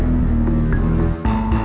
tidak ada izinnya